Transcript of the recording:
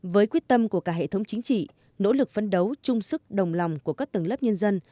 với quyết tâm của cả hệ thống chính trị nỗ lực phấn đấu trung sức đồng lòng của các tầng lớp nhân dân